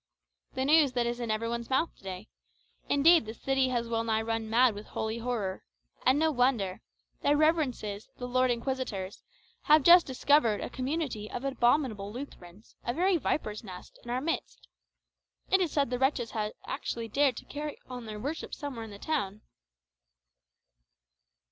"The news that is in every one's mouth to day. Indeed, the city has well nigh run mad with holy horror. And no wonder! Their reverences, the Lords Inquisitors, have just discovered a community of abominable Lutherans, a very viper's nest, in our midst. It is said the wretches have actually dared to carry on their worship somewhere in the town.